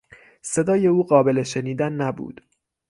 صدای او قابل شنیدن نبود.